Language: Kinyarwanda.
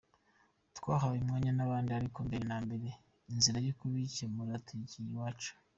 Twahaye umwanya n’abandi ariko mbere na mbere inzira yo kubikemura tuyigira iyacu.